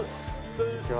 こんにちは。